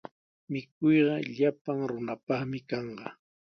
Mikuyqa llapan runapaqmi kanqa.